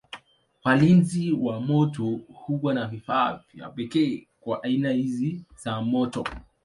Walinzi wa moto huwa na vifaa vya pekee kwa aina hizi za moto.